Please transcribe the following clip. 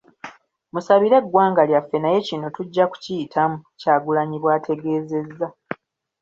"Musabire eggwanga lyaffe naye kino tujja kukiyitamu.” Kyagulanyi bw'ategeezezza.